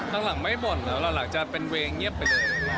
ต่างไม่บ่นเราหลังจะเป็นเวงเงียบไปเลย